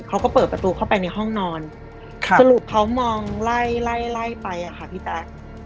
เขาก็เปิดประตูเข้าไปในห้องนอนสรุปเขามองไล่ไล่ไปอะค่ะพี่แต๊ก